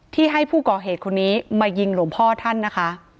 ที่ให้ผู้ก่อเหตุคนนี้มายิงหลวงพ่อท่านนะคะ